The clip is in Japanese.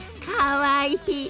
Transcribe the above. かわいい！